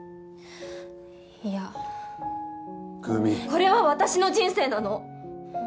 これは私の人生なの。